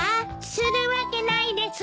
するわけないです。